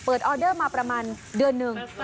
ออเดอร์มาประมาณเดือนหนึ่ง